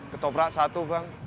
ketoprak satu bang